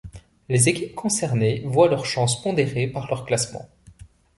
Les équipes concernées voient leurs chances pondérées par leur classement.